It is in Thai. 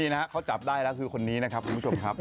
นี่นะครับเขาจับได้แล้วคือคนนี้นะครับคุณผู้ชมครับ